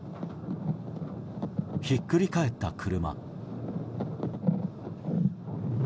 ひっくり返った車。